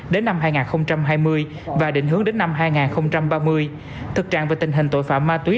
đến năm hai nghìn hai mươi và định hướng đến năm hai nghìn ba mươi thực trạng về tình hình tội phạm ma túy